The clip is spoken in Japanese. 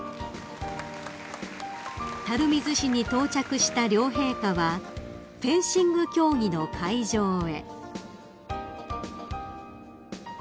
［垂水市に到着した両陛下はフェンシング競技の会場へ］